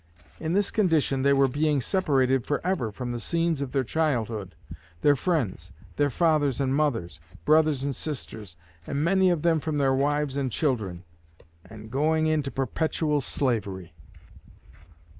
In this condition they were being separated forever from the scenes of their childhood, their friends, their fathers and mothers, brothers and sisters, and many of them from their wives and children, and going into perpetual slavery."